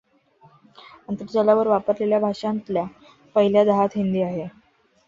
आंतरजालावर वापरलेल्या भाषांतल्या पहिल्या दहात हिंदी आहे.